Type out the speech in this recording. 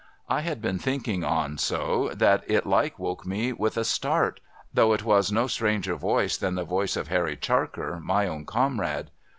I had been thinking on so, that it like woke me with a start, though it was no stranger voice than the voice of Harry Charker, my own comrade.